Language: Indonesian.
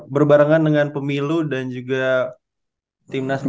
berbarengan dengan pemilu dan juga tim nasional